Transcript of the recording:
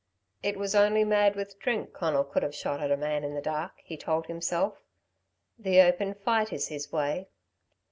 "It was only mad with drink, Conal could have shot at a man in the dark," he told himself. "The open fight is his way."